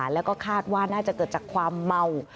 แล้วก็คาดว่าน่าจะเกิดจากความเมา